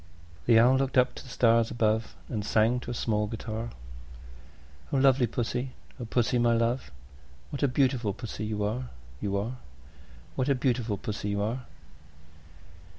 The Owl looked up to the stars above, And sang to a small guitar, "O lovely Pussy, O Pussy, my love, What a beautiful Pussy you are, You are, You are! What a beautiful Pussy you are!"